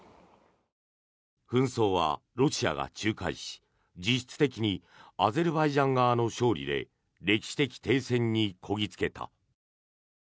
紛争はロシアが仲介し実質的にアゼルバイジャン側の勝利で歴史的停戦にこぎ着けた。